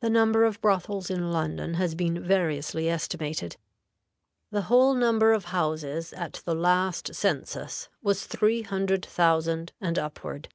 The number of brothels in London has been variously estimated. The whole number of houses at the last census was three hundred thousand and upward.